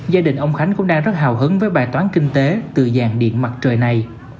gia đình ông khánh cũng đang rất hào hứng với bài toán kinh tế từ dạng điện mặt trời này